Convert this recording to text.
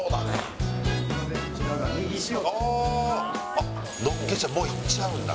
あっのっけちゃうもういっちゃうんだ。